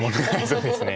そうですね。